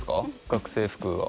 学生服は。